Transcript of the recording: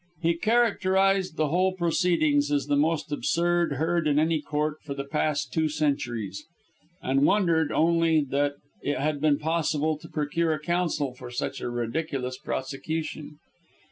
He characterized the whole proceedings as the most absurd heard in any Court for the past two centuries, and wondered, only, that it had been possible to procure a counsel for such a ridiculous prosecution.